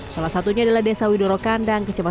salah satunya adalah desa widoro kandang